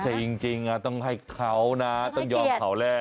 แต่จริงต้องให้เขานะต้องยอมเขาแร่